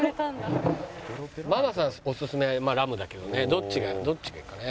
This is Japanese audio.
ママさんおすすめまあラムだけどねどっちがどっちがいいかね？